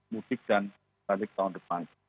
mudik dan balik tahun depan